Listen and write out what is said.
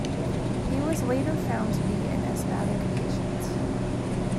He was later found to be an asthmatic patient.